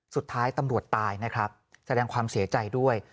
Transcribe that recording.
สุดท้ายตำรวจตายนะครับแสดงความเสียใจด้วย